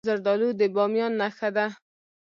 زردالو د بامیان نښه ده.